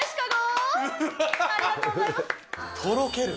とろける。